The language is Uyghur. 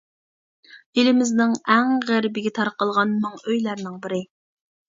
ئېلىمىزنىڭ ئەڭ غەربىگە تارقالغان مىڭ ئۆيلەرنىڭ بىرى.